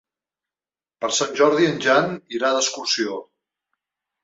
Per Sant Jordi en Jan irà d'excursió.